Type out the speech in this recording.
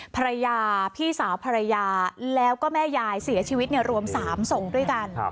ภรรยาพี่สาวภรรยาแล้วก็แม่ยายเสียชีวิตรวม๓ศพด้วยกัน